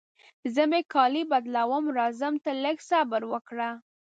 زه مې کالي بدلوم، راځم ته لږ صبر وکړه.